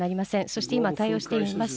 そして今、対応しています。